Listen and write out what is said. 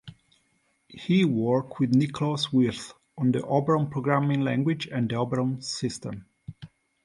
He worked with Niklaus Wirth on the Oberon programming language and the Oberon system.